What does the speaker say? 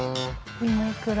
今いくら？